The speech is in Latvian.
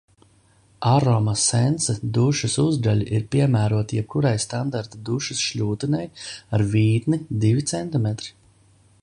Aroma Sense dušas uzgaļi ir piemēroti jebkurai standarta dušas šļūtenei ar vītni divi centimetri